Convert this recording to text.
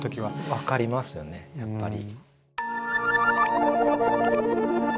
分かりますよねやっぱり。